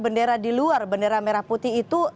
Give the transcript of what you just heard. bendera di luar bendera merah putih itu